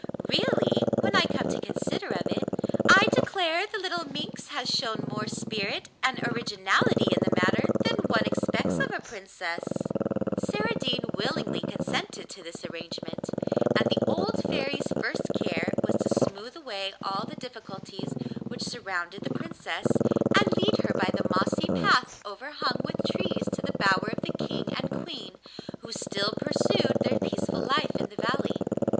Really, when I come to consider of it, I declare the little minx has shown more spirit and originality in the matter than one expects of a princess.' Saradine willingly consented to this arrangement, and the old Fairy's first care was to smooth away all the difficulties which surrounded the Princess, and lead her by the mossy path overhung with trees to the bower of the King and Queen, who still pursued their peaceful life in the valley.